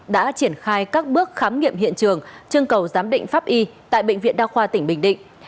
đã triển khai các bước khám nghiệm hiện trường trưng cầu giám định pháp y tại bệnh viện đa khoa tỉnh bình định